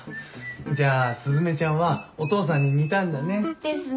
じゃあ雀ちゃんはお父さんに似たんだね。ですね。